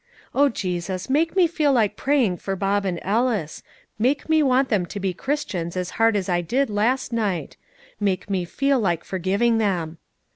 "Oh, Jesus, make me feel like praying for Bob and Ellis; make me want them to be Christians as hard as I did last night; make me feel like forgiving them."